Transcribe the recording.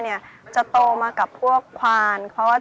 ชื่องนี้ชื่องนี้ชื่องนี้ชื่องนี้ชื่องนี้